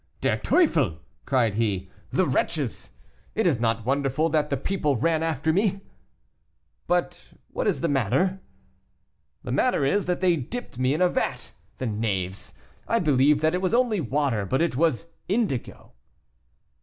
"Der Teufel!" cried he, "the wretches! It is not wonderful that the people ran after me." "But what is the matter?" "The matter is, that they dipped me in a vat, the knaves; I believed that it was only water, but it was indigo."